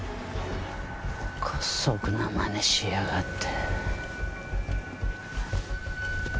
姑息なまねしやがって。